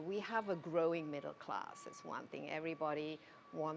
kita memiliki kelas tengah yang berkembang